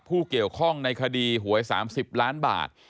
ผู้เกี่ยวข้องในคดีหวย๓๐ล้านบาท